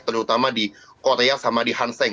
terutama di korea sama di hanseng